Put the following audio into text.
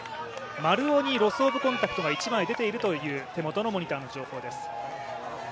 丸尾にロス・オブ・コンタクトが１枚出ているという手元のモニタの情報です。